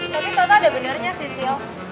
tapi tau ta ada benernya sih sil